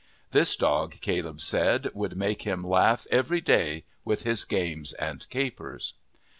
This dog, Caleb said, would make him laugh every day with his games and capers.